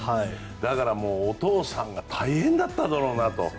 だから、お父さんが大変だっただろうなと。